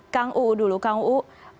kang uu dulu kang uu